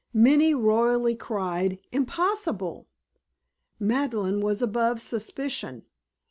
Many loyally cried, Impossible. Madeleine was above suspicion.